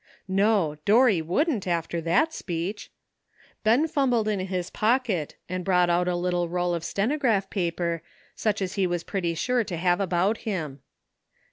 No, Dorry wouldn't, after that speech ! Ben fumbled in his pocket and brought out a little roll of stenograph paper, such as he was pretty sure to have about him.